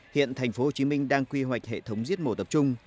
hiện tp hcm đang quy hoạch hệ thống giết mổ tập trung